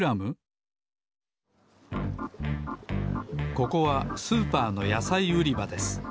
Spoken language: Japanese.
ここはスーパーのやさいうりばです。